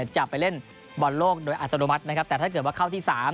จะไปเล่นบอลโลกโดยอัตโนมัตินะครับแต่ถ้าเกิดว่าเข้าที่๓